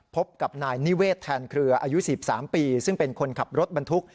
พบกับนายนิเวศแทนเครืออายุ๑๓ปีซึ่งเป็นคนขับรถบรรทุก